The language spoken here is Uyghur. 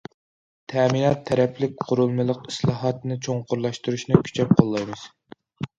تەمىنات تەرەپلىك قۇرۇلمىلىق ئىسلاھاتنى چوڭقۇرلاشتۇرۇشنى كۈچەپ قوللايمىز.